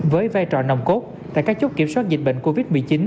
với vai trò nồng cốt tại các chốt kiểm soát dịch bệnh covid một mươi chín